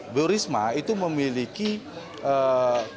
ibu risma itu memiliki karakternya